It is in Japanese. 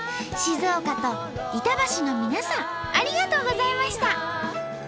静岡と板橋の皆さんありがとうございました！